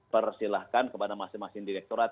persilahkan kepada masing masing direkturat